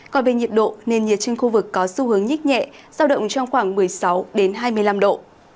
còn về nhiệt độ nền nhiệt trên khu vực có xu hướng nhích nhẹ giao động trong khoảng một mươi sáu hai mươi năm độ